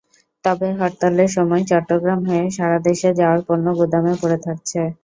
তবে হরতালের সময় চট্টগ্রাম হয়ে সারা দেশে যাওয়ার পণ্য গুদামে পড়ে থাকছে।